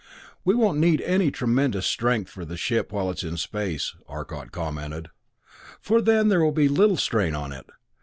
"We won't need any tremendous strength for the ship while it is in space," Arcot commented, "for then there will be little strain on it.